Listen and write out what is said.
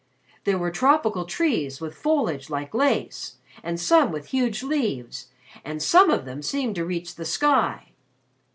There were tropical trees with foliage like lace, and some with huge leaves, and some of them seemed to reach the sky.